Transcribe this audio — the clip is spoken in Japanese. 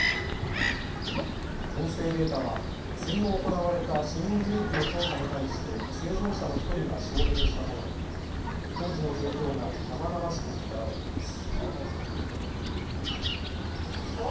音声データは戦後行われた市民グループの調査に対して生存者の１人が証言したもので当時の状況が生々しく語られています。